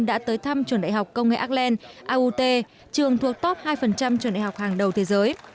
đã tới thăm trường đại học công nghệ ackland aut trường thuộc top hai trường đại học hàng đầu thế giới